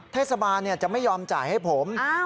เทศบาลจะไม่ยอมจ่ายให้ผม